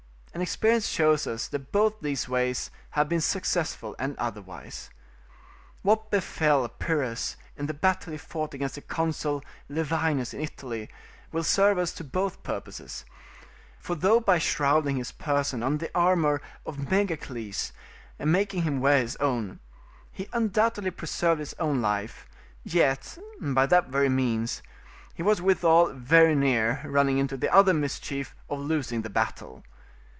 And experience shows us that both these ways have been successful and otherwise. What befell Pyrrhus in the battle he fought against the Consul Levinus in Italy will serve us to both purposes; for though by shrouding his person under the armour of Megacles and making him wear his own, he undoubtedly preserved his own life, yet, by that very means, he was withal very near running into the other mischief of losing the battle.